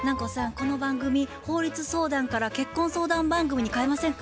この番組法律相談から結婚相談番組に変えませんか？